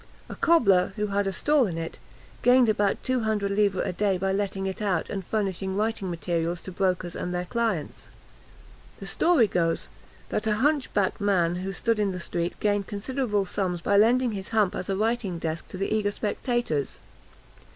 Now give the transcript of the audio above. A cobbler, who had a stall in it, gained about two hundred livres a day by letting it out, and furnishing writing materials to brokers and their clients. The story goes, that a hunchbacked man who stood in the street gained considerable sums by lending his hump as a writing desk to the eager speculators!